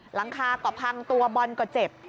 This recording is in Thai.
หลังคาก็พังตัวบอลก็เจ็บ